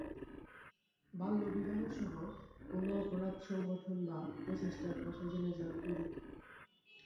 বাল্যবিবাহসহ কোনো অপরাধ সংগঠন বা প্রচেষ্টার কথা জেনে যান ত্বরিত।